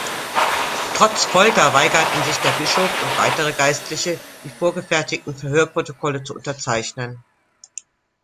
Trotz Folter weigerten sich der Bischof und weitere Geistliche, die vorgefertigten Verhörprotokolle zu unterzeichnen.